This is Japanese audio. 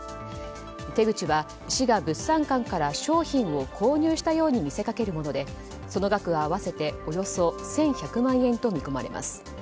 手口は市が物産館から商品を購入したように見せかけるものでその額は合わせて１１００万円と見込まれます。